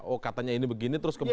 oh katanya ini begini terus kemudian